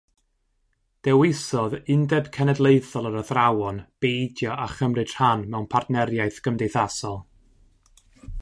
Dewisodd Undeb Cenedlaethol yr Athrawon beidio â chymryd rhan mewn partneriaeth gymdeithasol.